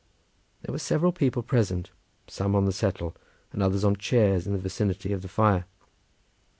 There were several people present, some on the settle, and others on chairs in the vicinity of the fire.